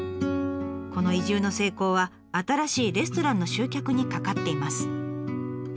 この移住の成功は新しいレストランの集客にかかっています。